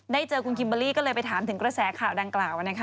เจอคุณคิมเบอร์รี่ก็เลยไปถามถึงกระแสข่าวดังกล่าวนะคะ